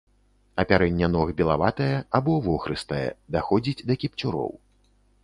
Апярэнне ног белаватае або вохрыстае, даходзіць да кіпцюроў.